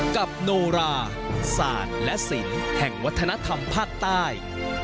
โนราศาสตร์และศิลป์แห่งวัฒนธรรมภาคใต้